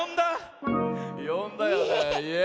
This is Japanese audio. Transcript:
よんだよね？